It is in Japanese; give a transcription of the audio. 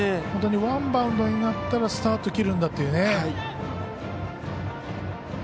本当にワンバウンドになったらスタート切るんだというね。